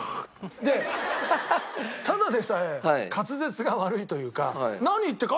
でただでさえ滑舌が悪いというか何言ってるか。